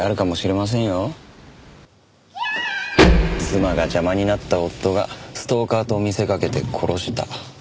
妻が邪魔になった夫がストーカーと見せかけて殺した。